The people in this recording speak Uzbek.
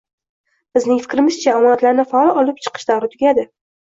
Bizning fikrimizcha, omonatlarni faol olib chiqish davri tugadi